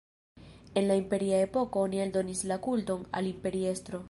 En la imperia epoko oni aldonis la kulton al imperiestro.